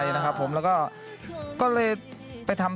เพราะว่าใจแอบในเจ้า